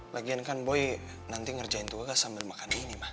lagian kan boy nanti ngerjain tuh kak sambil makan ini ma